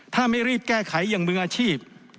ถ้าไม่รีบแก้ไขอย่างมืออาชีพ